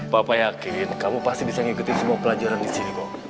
papa yakin kamu pasti bisa ngikutin semua pelajaran disini kok